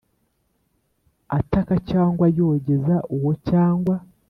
ataka cyangwa yogeza uwo cyangwa